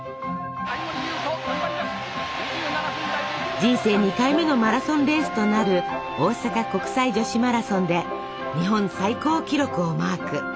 人生２回目のマラソンレースとなる大阪国際女子マラソンで日本最高記録をマーク。